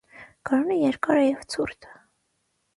Գարունը երկար է և ցուրտ։